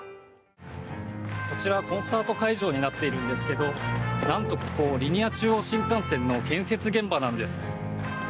こちら、コンサート会場になっているんですがなんとここ、リニア中央新幹線の建設現場なんです。